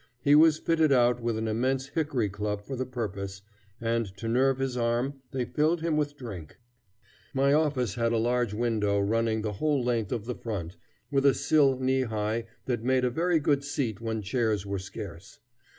He was fitted out with an immense hickory club for the purpose, and to nerve his arm they filled him with drink. My office had a large window running the whole length of the front, with a sill knee high that made a very good seat when chairs were scarce.